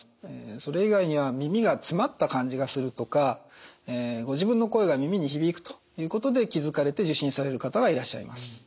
それ以外には耳が詰まった感じがするとかご自分の声が耳に響くということで気付かれて受診される方はいらっしゃいます。